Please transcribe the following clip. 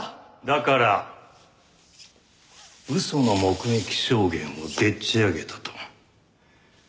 だから嘘の目撃証言をでっち上げたと。